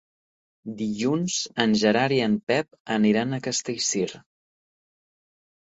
Dilluns en Gerard i en Pep aniran a Castellcir.